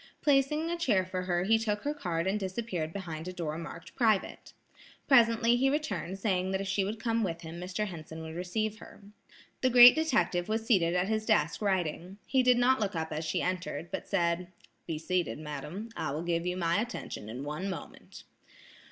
Placing a chair for her he took her card and disappeared behind a door marked "Private." Presently he returned saying that if she would come with him, Mr. Henson would receive her. The great detective was seated at his desk writing. He did not look up as she entered, but said: "Be seated, madam; I will give you my attention in one moment."